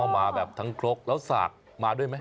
มาแบบทั้งครกแล้วสากมาด้วยไหม